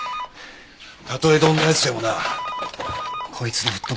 たとえどんな奴でもなこいつで吹っ飛ぶわ。